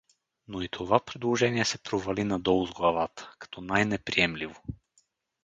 Но и това предложение се провали надолу с главата, като най-неприемливо.